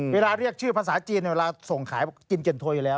เรียกชื่อภาษาจีนเวลาส่งขายกินเจนโทอยู่แล้ว